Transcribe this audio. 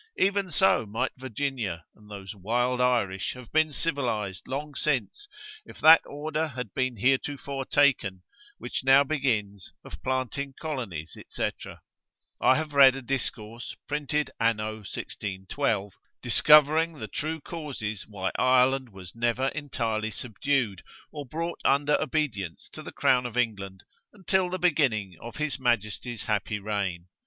Even so might Virginia, and those wild Irish have been civilised long since, if that order had been heretofore taken, which now begins, of planting colonies, &c. I have read a discourse, printed anno 1612. Discovering the true causes why Ireland was never entirely subdued, or brought under obedience to the crown of England, until the beginning of his Majesty's happy reign.